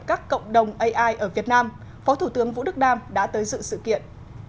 các cộng đồng ai ở việt nam phó thủ tướng vũ đức đam đã tới dự sự kiện